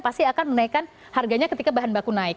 pasti akan menaikkan harganya ketika bahan baku naik